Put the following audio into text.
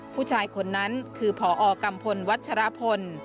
ผู้ชายคนนั้นคือพอกัมพลวัชรพล